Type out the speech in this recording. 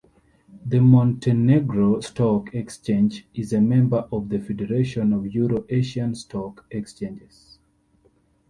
The Montenegro Stock Exchange is a member of the Federation of Euro-Asian Stock Exchanges.